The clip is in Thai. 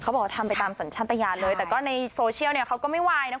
บอกว่าทำไปตามสัญชาติยานเลยแต่ก็ในโซเชียลเนี่ยเขาก็ไม่ไหวนะ